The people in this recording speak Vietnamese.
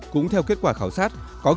cũng theo kết quả khảo sát